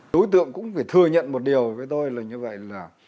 đối tượng cũng phải thừa nhận một điều với tôi là như vậy là